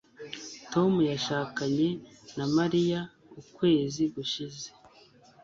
Tom yashakanye na Mariya ukwezi gushize